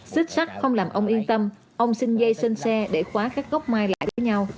xích sắt không làm ông yên tâm ông xin dây sân xe để khóa các gốc mai lại với nhau